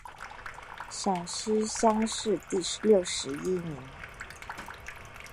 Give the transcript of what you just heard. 陕西乡试第六十一名。